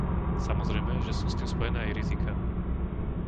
Samozrejme, že sú s tým spojené aj riziká.